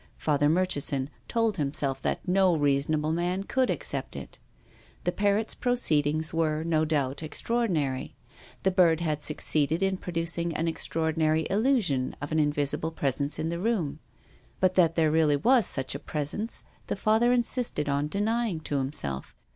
Father Mur chison told himself that no reasonable man could accept it. The parrot's proceedings were, no doubt, extraordinary. The bird had succeeded in producing an extraordinary illusion of an invisible presence in the room. But that there really was such a presence the Father insisted on denying to himself.